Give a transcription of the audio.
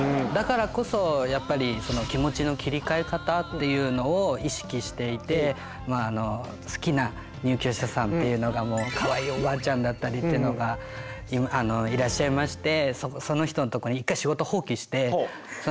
だからこそやっぱりその気持ちの切りかえ方っていうのを意識していて好きな入居者さんっていうのがもうかわいいおばあちゃんだったりってのがいらっしゃいましてその人のとこに行って。